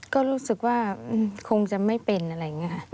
ก็รู้สึกว่าคงจะไม่เป็นอะไรอย่างนี้ค่ะ